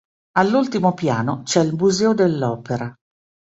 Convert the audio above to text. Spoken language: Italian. All'ultimo piano c'è il Museo dell'Opera.